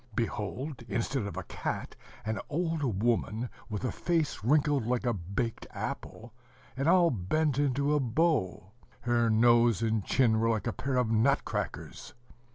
Behold, instead of a cat, an old woman with a face wrinkled like a baked apple, and all bent into a bow: her nose and chin were like a pair of nut crackers.